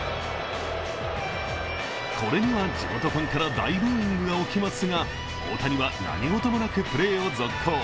これには地元ファンから大ブーイングが起きますが、大谷は、何事もなくプレーを続行。